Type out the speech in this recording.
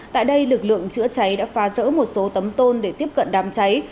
tại đây lực lượng chữa cháy đã phá rỡ một số tấm tôn để tiếp cận đám cháy